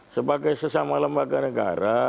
sebagai sesama lembaga negara